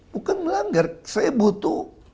bukan melanggar saya butuh